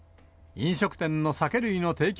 飲食店の酒類の提供